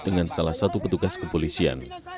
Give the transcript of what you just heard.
dengan salah satu petugas kepolisian